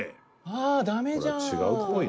「ああダメじゃん」